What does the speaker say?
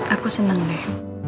aku seneng deh